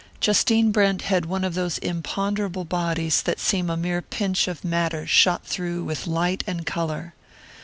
Justine Brent had one of those imponderable bodies that seem a mere pinch of matter shot through with light and colour.